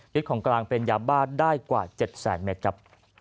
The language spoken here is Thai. ของกลางเป็นยาบ้าได้กว่า๗แสนเมตรครับ